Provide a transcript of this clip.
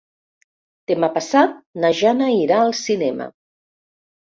Demà passat na Jana irà al cinema.